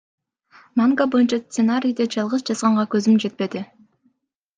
Манга боюнча сценарийди жалгыз жазганга көзүм жетпеди.